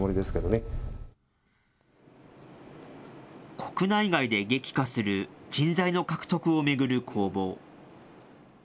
国内外で激化する人材の獲得を巡る攻防。